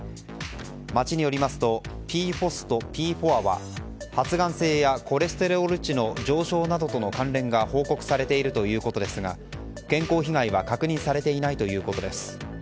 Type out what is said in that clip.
町によりますとＰＦＯＳとＰＦＯＡは発がん性やコレステロール値の上昇などの関連が報告されているということですが健康被害は確認されていないということです。